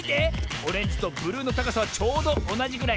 オレンジとブルーのたかさはちょうどおなじぐらい。